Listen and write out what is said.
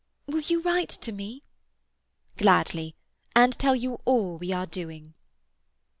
Will you write to me?" "Gladly. And tell you all we are doing."